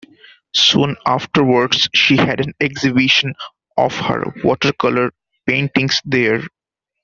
Soon afterwards she had an exhibition of her watercolor paintings there.